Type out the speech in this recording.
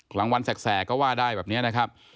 กลางวันแสกก็ว่าได้แบบนี้นะครับ